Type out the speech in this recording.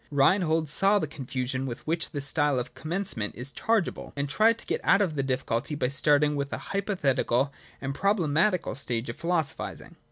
Reinhold saw the confusion with which this style of commencement is chargeable, and tried to get out of the difficulty by starting with a hypothetical and proble matical stage of philosophising.